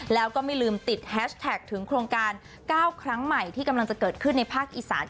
แล้วก็ไม่ลืมติดแฮชแท็กถึงโครงการ๙ครั้งใหม่ที่กำลังจะเกิดขึ้นในภาคอีสาน